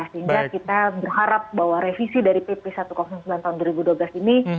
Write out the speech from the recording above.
sehingga kita berharap bahwa revisi dari pp satu ratus sembilan tahun dua ribu dua belas ini